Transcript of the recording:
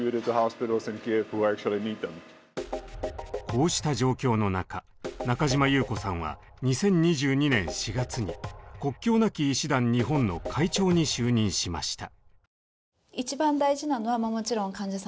こうした状況の中中嶋優子さんは２０２２年４月に国境なき医師団日本の会長に就任しました。